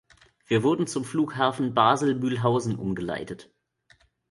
Wir wurden zum Flughafen Basel-Mülhausen umgeleitet.